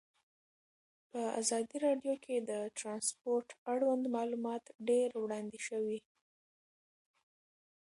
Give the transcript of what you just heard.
په ازادي راډیو کې د ترانسپورټ اړوند معلومات ډېر وړاندې شوي.